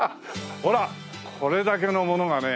ほらこれだけのものがね